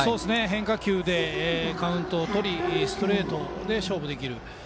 変化球でカウントをとりストレートで勝負できる。